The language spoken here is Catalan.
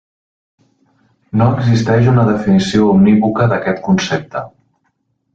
No existeix una definició unívoca d'aquest concepte.